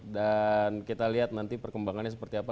dan kita lihat nanti perkembangannya seperti apa